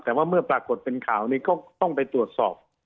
แต่ว่าเมื่อปรากฏเป็นข่าวนี้ก็ต้องไปตรวจสอบ